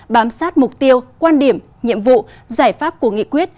bám sát mục tiêu quan điểm nhiệm vụ giải pháp của nghị quyết